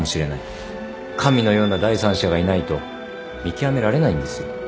神のような第三者がいないと見極められないんですよ。